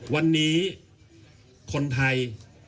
วันนี้คนไทย